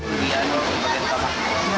di bagian kamar